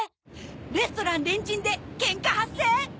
レストラン「レンチン」でケンカ発生！？